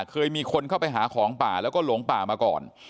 เคยมีคนเข้าไปหาของป่าแล้วก็หลงป่ามาก่อน